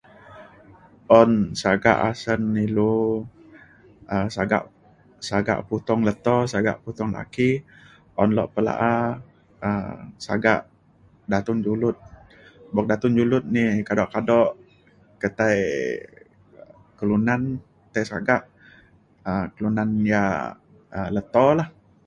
Un sagak asen ilou, um sagak putung leto, sagak putong laki, un lok pe la'a, um sagak datun julut, sagak datun julut ni yak kado-kado ketai kelunan tai sagak, um kelunan yak leto la